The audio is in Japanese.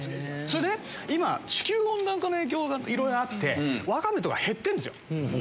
それで今地球温暖化の影響があってワカメとか減ってるんですよ。